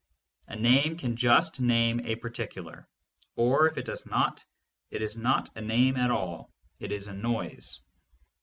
A name can just name a particular, or, if it does not, it is not a name at all, it is a noise.